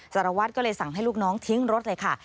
สารวัตรก็เลยสั่งให้ลูกน้องทิ้งรถเลยค่ะ